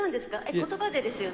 ことばでですよね？